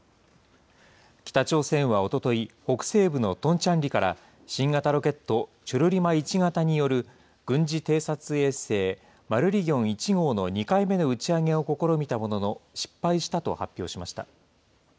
北朝鮮はおととい、北西部のトンチャンリから、新型ロケット、チョルリマ１型による軍事偵察衛星マルリギョン１号の２回目の打ち上げを試みたものの、失敗したと発表しました。